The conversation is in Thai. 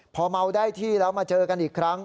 พอเมาได้ที่แล้วมาเจอกันอีกครั้ง